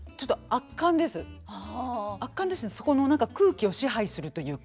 圧巻ですしそこの何か空気を支配するというか。